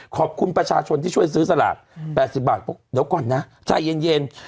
ขอบคุณประชาชนที่ช่วยซื้อสลาก๘๐บาทบอกเดี๋ยวก่อนนะใจเย็น